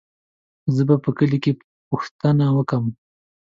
زه به په کلي کې پوښتنه وکم.